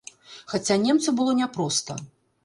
Хаця немцу было няпроста.